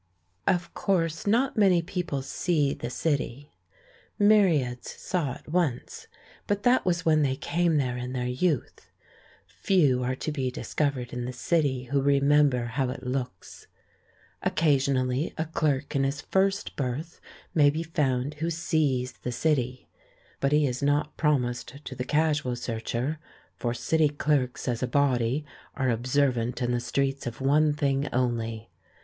Of course not many people see the City. Myriads saw it once, but that was when they came there in their youth. Few are to be dis covered in the City who remember how it looks. Occasionally a clerk in his first berth may be found who sees the City, but he is not promised to the casual searcher, for City clerks as a body are observant in the streets of one thing only.